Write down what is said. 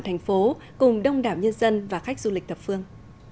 thành phố cùng đông đảo nhân dân và khách du lịch thập phương